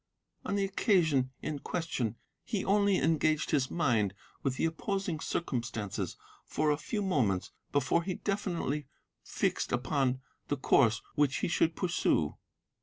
On the occasion in question he only engaged his mind with the opposing circumstances for a few moments before he definitely fixed upon the course which he should pursue.